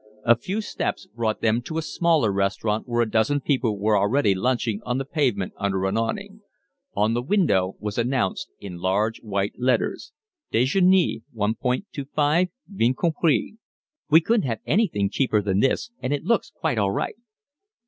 A few steps brought them to a smaller restaurant, where a dozen people were already lunching on the pavement under an awning; on the window was announced in large white letters: Dejeuner 1.25, vin compris. "We couldn't have anything cheaper than this, and it looks quite all right."